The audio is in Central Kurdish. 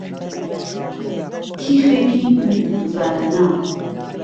تیخێکی بوو زارهنا